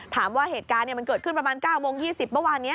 ถามว่าเหตุการณ์มันเกิดขึ้นประมาณ๙โมง๒๐เมื่อวานนี้